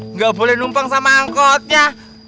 nggak boleh numpang sama angkotnya